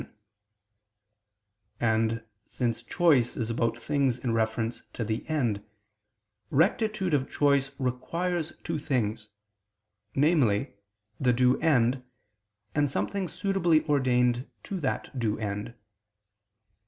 And, since choice is about things in reference to the end, rectitude of choice requires two things: namely, the due end, and something suitably ordained to that due end.